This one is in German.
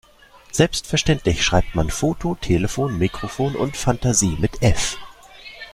Selbstverständlich schreibt man Foto, Telefon, Mikrofon und Fantasie mit F.